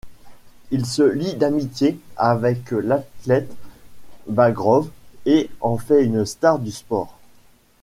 Il se lie d'amitié avec l'athlète Bagrov et en fait une star du sport.